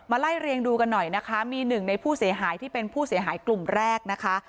ไล่เรียงดูกันหน่อยนะคะมีหนึ่งในผู้เสียหายที่เป็นผู้เสียหายกลุ่มแรกนะคะ